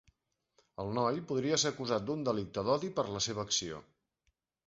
El noi podia ser acusat d’un delicte d’odi per la seva acció.